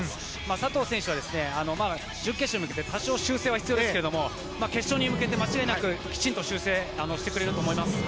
佐藤選手は準決勝に向けて多少修正は必要ですけど決勝に向けて間違いなくきちんと修正してくれると思います。